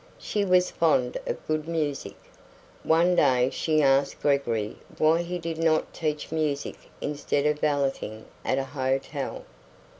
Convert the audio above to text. She was fond of good music. One day she asked Gregory why he did not teach music instead of valeting at a hotel.